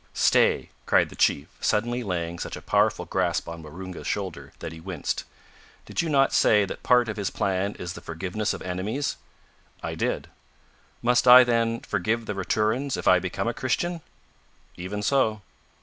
"Stay," cried the chief, suddenly laying such a powerful grasp on Waroonga's shoulder, that he winced; "did you not say that part of His plan is the forgiveness of enemies?" "I did." "Must I, then, forgive the Raturans if I become a Christian?" "Even so."